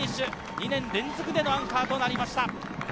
２年連続でのアンカーとなりました。